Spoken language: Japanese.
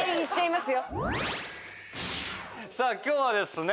さあ今日はですね